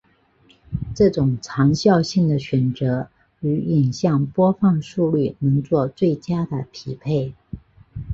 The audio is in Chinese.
这种长效性的选择与影像播放速率能做最佳的匹配。